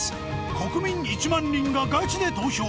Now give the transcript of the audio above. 国民１万人がガチで投票！